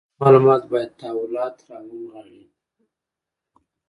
دغه معلومات باید تحولات راونغاړي.